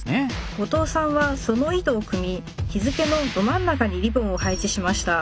後藤さんはその意図をくみ日付のど真ん中にリボンを配置しました。